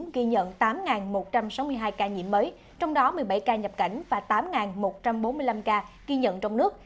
ghi nhận tám một trăm sáu mươi hai ca nhiễm mới trong đó một mươi bảy ca nhập cảnh và tám một trăm bốn mươi năm ca ghi nhận trong nước